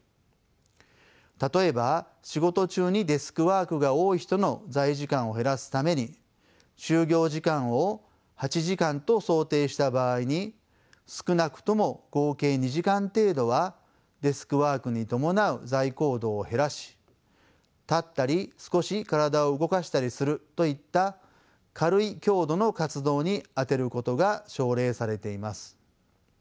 例えば仕事中にデスクワークが多い人の座位時間を減らすために就業時間を８時間と想定した場合に少なくとも合計２時間程度はデスクワークに伴う座位行動を減らし立ったり少し体を動かしたりするといった軽い強度の活動に充てることが奨励されています。